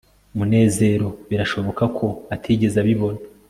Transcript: munezero birashoboka ko atigeze abibona